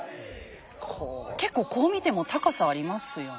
結構こう見ても高さありますよね。